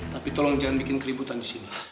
tapi tolong jangan bikin keributan di sini